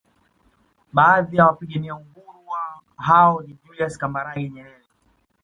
Baadhi ya wapigania uhuru hao ni Julius Kambarage Nyerere